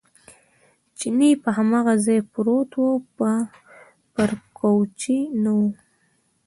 چیني په هماغه ځای پروت و، پر کوچې نه و.